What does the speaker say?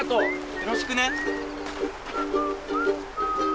よろしくね。